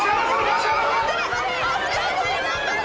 頑張れ！